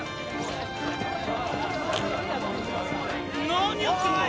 何やってんだ。